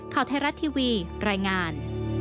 ข่าวไทยรัฐทีวีรายงาน